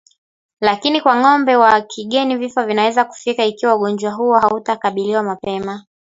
Lakini kwa ng'ombe wa kigeni vifo vinaweza kufika ikiwa ugonjwa huo hautakabiliwa mapema